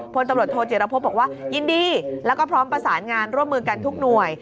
พลตำรวจโทจิรพบบอกว่ายินดีแล้วก็พร้อมประสานงานร่วมมือกันทุกหน่วย